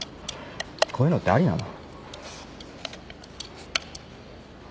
こういうのってありなの？